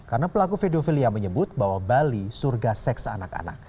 karena pelaku pedofilia menyebut bahwa bali surga seks anak anak